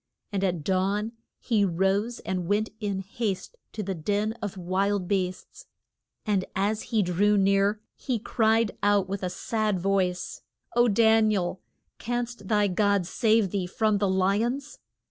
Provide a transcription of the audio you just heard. And at dawn he rose and went in haste to the den of wild beasts. And as he drew near he cried out with a sad voice, O Dan i el, canst thy God save thee from the li ons?